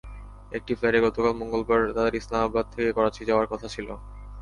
একটি ফ্লাইটে গতকাল মঙ্গলবার তাঁদের ইসলামাবাদ থেকে করাচি যাওয়ার কথা ছিল।